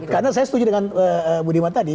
karena saya setuju dengan bu diman tadi